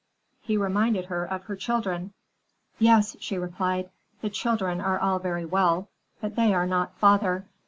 He reminded her of her children. "Yes," she replied; "the children are all very well, but they are not father.